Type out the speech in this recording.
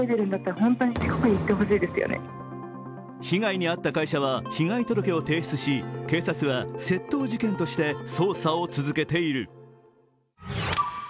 被害に遭った会社は被害届を提出し警察は窃盗事件として捜査を続けている。